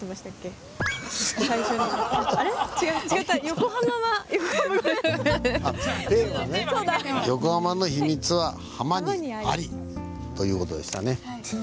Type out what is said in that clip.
「横浜の秘密は“ハマ”にあり⁉」という事でしたね。